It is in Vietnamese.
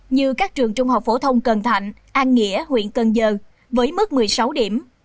như các trường trung học phổ thông cần thạnh an nghĩa huyện cần giờ với mức một mươi sáu điểm